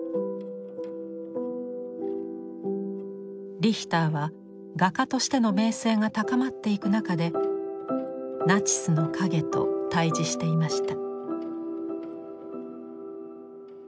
リヒターは画家としての名声が高まっていく中でナチスの影と対じしていました。